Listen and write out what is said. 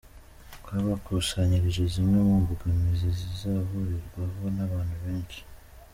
Twabakusanyirije zimwe mu mbogamizi zizahurirwaho n’abantu benshi.